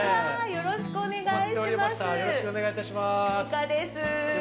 よろしくお願いします。